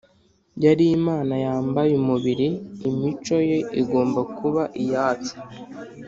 yari imana yambaye umubiri imico ye igomba kuba iyacu